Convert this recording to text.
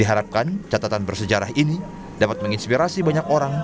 diharapkan catatan bersejarah ini dapat menginspirasi banyak orang